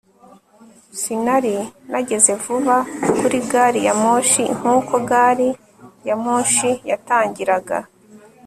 sinari nageze vuba kuri gari ya moshi nkuko gari ya moshi yatangiraga